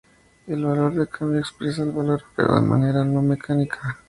El valor de cambio expresa el valor pero de manera no mecánica.